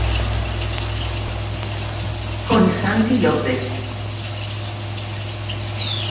Con Santi López.